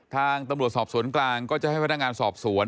ทางตำรวจสอบสวนกลางก็จะให้พนักงานสอบสวน